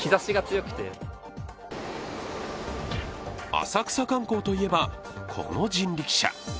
浅草観光といえば、この人力車。